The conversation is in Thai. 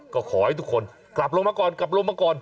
ก็ขอให้ทุกคนกลับลงมาก่อนกลับลงมาก่อน